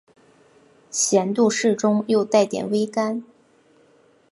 咸度适中又带点微甘